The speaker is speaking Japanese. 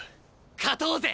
勝とうぜ！